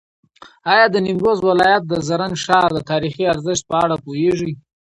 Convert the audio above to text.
ایا د نیمروز ولایت د زرنج ښار د تاریخي ارزښت په اړه پوهېږې؟